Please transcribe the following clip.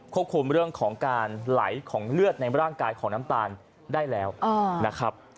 ควบคุมเรื่องของการไหลของเลือดในร่างกายของน้ำตาลได้แล้วนะครับ